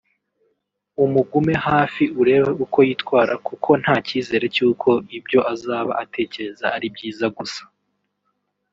umugume hafi urebe uko yitwara kuko nta cyizere cy’uko ibyo azaba atekereza ari ibyiza gusa